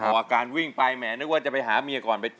อาการวิ่งไปแหมนึกว่าจะไปหาเมียก่อน